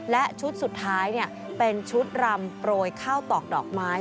และชุดสุดท้ายเป็นชุดรำโปรยข้าวตอกดอกไม้